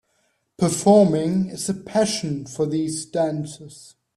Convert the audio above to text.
Performing is a passion for these dancers.